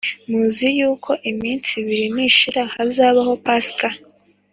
Muzi yuko iminsi ibiri nishira hazabaho Pasika